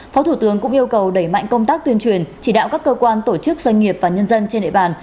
phó thủ tướng cũng yêu cầu đẩy mạnh công tác tuyên truyền chỉ đạo các cơ quan tổ chức doanh nghiệp và nhân dân trên địa bàn